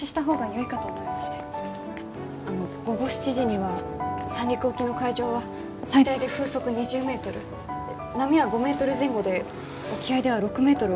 あの午後７時には三陸沖の海上は最大で風速２０メートル波は５メートル前後で沖合では６メートルを超えると予想されています。